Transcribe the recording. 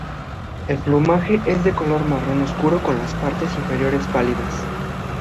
El plumaje es de color marrón oscuro con las partes inferiores pálidas.